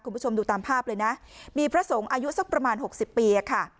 คุณผู้ชมดูตามภาพเลยนะมีพระสงฆ์อายุสักประมาณหกสิบปีอะค่ะ